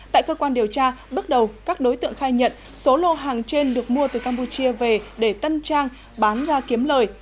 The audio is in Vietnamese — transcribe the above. tại cơ quan điều tra bước đầu các đối tượng khai nhận số lô hàng trên được mua từ campuchia về để tân trang bán ra kiếm lời